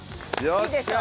いいでしょ！